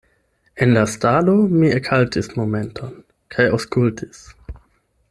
En la stalo mi ekhaltis momenton kaj aŭskultis.